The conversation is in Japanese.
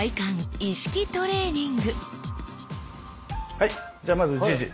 はいじゃあまずじいじ。